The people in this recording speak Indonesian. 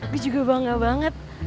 gue juga bangga banget